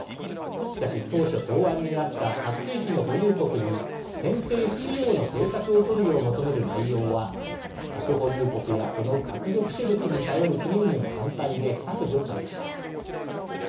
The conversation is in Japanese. しかし当初、草案にあった核兵器の保有国に先制不使用の政策を取るよう求める内容は核保有国やその核抑止力に頼る国々の反対で削除されました。